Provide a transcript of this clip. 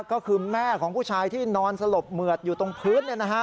ก็คือแม่ของผู้ชายที่นอนสลบเหมือดอยู่ตรงพื้น